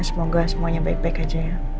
semoga semuanya baik baik aja ya